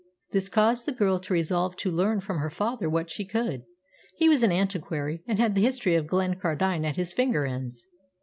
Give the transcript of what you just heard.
This caused the girl to resolve to learn from her father what she could. He was an antiquary, and had the history of Glencardine at his finger ends.